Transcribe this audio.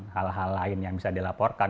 hal hal lain yang bisa dilaporkan